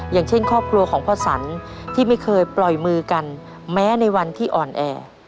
อย่างเช่นครอบครัวของพ่อสันที่ไม่เคยปล่อยมือกันแม้ในวันที่อ่อนแอ